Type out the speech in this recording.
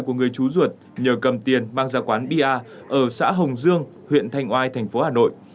của người trú ruột nhờ cầm tiền mang ra quán bia ở xã hồng dương huyện thanh oai tp hà nội